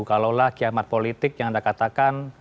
kalaulah kiamat politik yang anda katakan